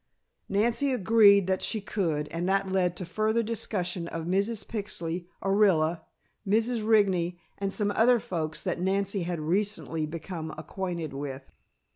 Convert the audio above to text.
Nancy agreed that she could, and that led to further discussion of Mrs. Pixley, Orilla, Mrs. Rigney and some other folks that Nancy had recently become acquainted with.